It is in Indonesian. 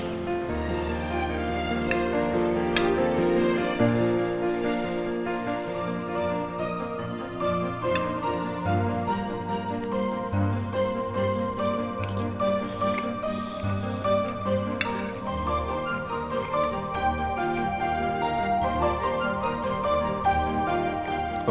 gak usah senyum senyum